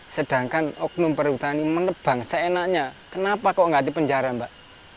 sedangkan oknum perutani menebang seenaknya kenapa kok nggak dipenjara pak